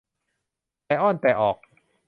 แต่อ้อนแต่ออก